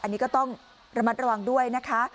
อันนี้ก็ต้องระมัดระวังด้วยนะคะ